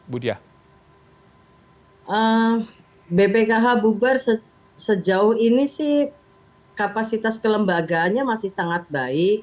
bpkh bubar sejauh ini sih kapasitas kelembagaannya masih sangat baik